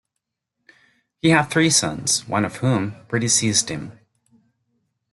He had three sons, one of whom predeceased him.